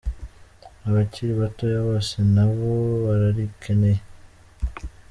Abakiri batoya bose na bo bararikeneye.